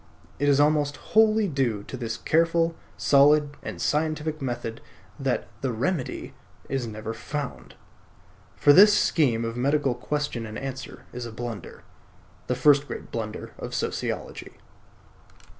It is almost wholly due to this careful, solid, and scientific method that "The Remedy" is never found. For this scheme of medical question and answer is a blunder; the first great blunder of sociology.